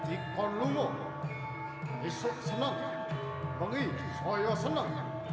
ikon lupa esok senang penghijauan senang